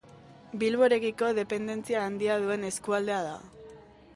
Bilborekiko dependentzia handia duen eskualdea da.